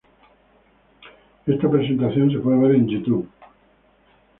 Esta presentación puede ser vista en YouTube.